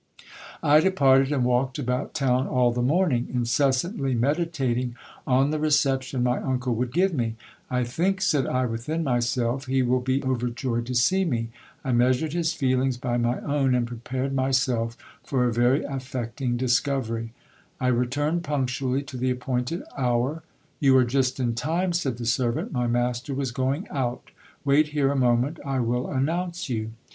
I departed, and walked about town all the morning, incessantly meditating on the reception my uncle would give me. I think, said I within myself, he will be overjoyed to see me. I measured his feelings by my own, and prepared my self for a very affecting discover)'. I returned punctually to the appointed hour. You are just in time, said the servant : my master was going out. Wait here a moment : I will announce you.